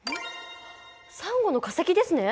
サンゴの化石ですね。